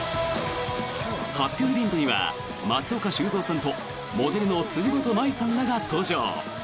発表イベントには松岡修造さんとモデルの辻元舞さんらが登場。